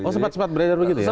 oh sempat sempat beredar begitu